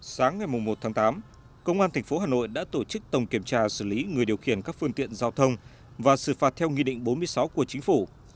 sáng ngày một tháng tám công an tp hà nội đã tổ chức tổng kiểm tra xử lý người điều khiển các phương tiện giao thông và xử phạt theo nghị định bốn mươi sáu của chính phủ